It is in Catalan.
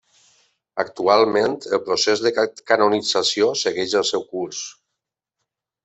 Actualment el procés de canonització segueix el seu curs.